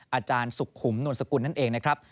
อาจารย์สุขุมนวลสกุลนั่นเองนะครับ